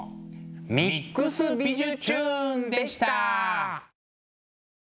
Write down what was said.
「ＭＩＸびじゅチューン！」でした。